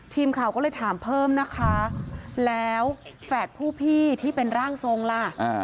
ทีมข่าวก็เลยถามเพิ่มนะคะแล้วแฝดผู้พี่ที่เป็นร่างทรงล่ะ